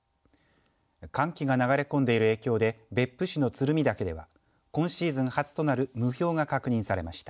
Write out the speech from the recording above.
寒気が流れ込んでいる影響で別府市の鶴見岳では今シーズン初となる霧氷が確認されました。